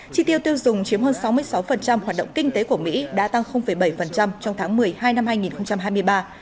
chi tiêu tiêu dùng chiếm hơn sáu mươi sáu hoạt động kinh tế của mỹ đã tăng bảy trong tháng một mươi hai năm hai nghìn hai mươi ba